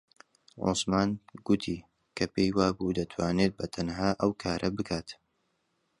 عوسمان گوتی کە پێی وابوو دەتوانێت بەتەنها ئەو کارە بکات.